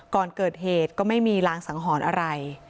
ก่อนเกิดเหตุก็ไม่มีรางสังหรณ์อะไร